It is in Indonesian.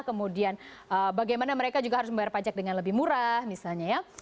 kemudian bagaimana mereka juga harus membayar pajak dengan lebih murah misalnya ya